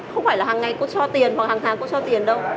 không phải là hằng ngày cô cho tiền hoặc hằng tháng cô cho tiền đâu